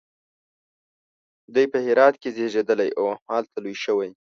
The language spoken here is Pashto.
دی په هرات کې زیږېدلی او همالته لوی شوی.